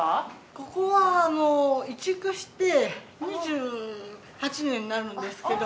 ここはあの移築して２８年になるんですけど。